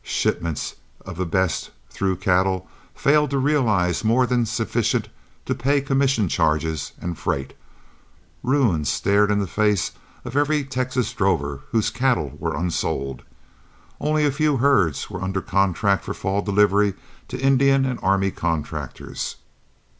Shipments of the best through cattle failed to realize more than sufficient to pay commission charges and freight. Ruin stared in the face every Texan drover whose cattle were unsold. Only a few herds were under contract for fall delivery to Indian and army contractors.